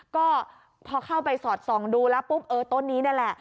ก็พอเข้าไปสอดส่องดูแล้วปุ๊บเออต้นนี้นี่แหละ